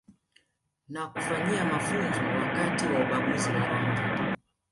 Na kufanyia mafunzo wakati wa ubaguzi wa rangi